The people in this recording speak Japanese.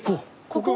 ここ？